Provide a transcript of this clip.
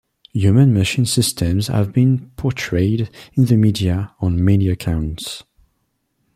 Human-machine systems have been portrayed in the media on many accounts.